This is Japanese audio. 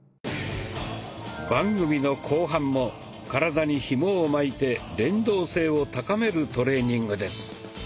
番組の後半も体にひもを巻いて連動性を高めるトレーニングです。